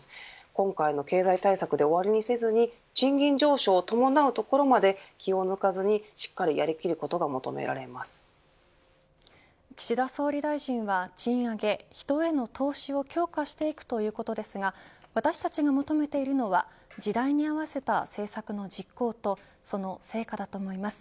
今回の経済対策で終わりにせずに賃金上昇を伴うところまで気を抜かずに、しっかり岸田総理大臣は賃上げ、人への投資を強化していくということですが私たちが求めているのは時代に合わせた政策の実行とその成果だと思います。